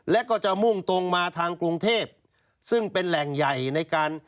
และก็จะมุ่งตรงมาทางกรุงเทพซึ่งเป็นแหล่งใหญ่ในการ